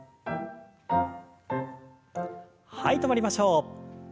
はい止まりましょう。